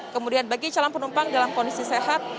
kemudian bagi calon penumpang dalam kondisi sehat